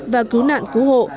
và cứu nạn cứu hộ